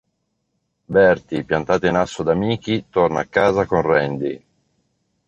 Bertie, piantata in asso da Mickey, torna a casa con Randy.